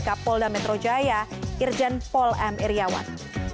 kapolda metro jaya irjen pol m iryawan